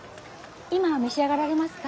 今召し上がられますか？